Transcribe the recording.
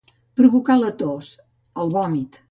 Provocar la tos, el vòmit.